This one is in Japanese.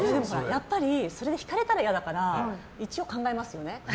やっぱりそれで引かれたら嫌だから一応、考えますよね。